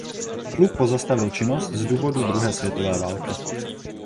Klub pozastavil činnost z důvodů druhé světové války.